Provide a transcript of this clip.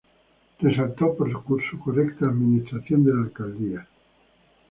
Resaltó por su correcta administración de la alcaldía.